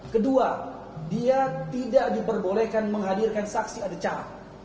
kedua dia tidak diperbolehkan menghadirkan saksi adecat